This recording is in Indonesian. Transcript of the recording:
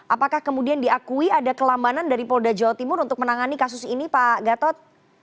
apakah kemudian diakui ada kelambanan dari polda jawa timur untuk menangani kasus ini pak gatot